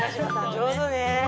上手ね」